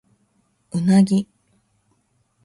うなぎ